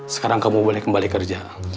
sekarang kamu boleh kembali kerja